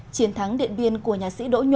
chiến thắng điện biên của nhà sĩ đỗ nhoa